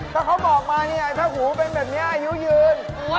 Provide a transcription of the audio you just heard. ถ้าเขาบอกมาเนี่ยถ้าหูเป็นแบบนี้อายุยืน